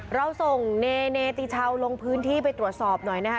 เราส่งเนเนติชาวลงพื้นที่ไปตรวจสอบหน่อยนะคะ